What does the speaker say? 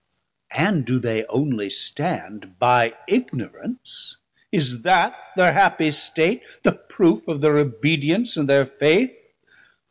and do they onely stand By Ignorance, is that thir happie state, The proof of thir obedience and thir faith?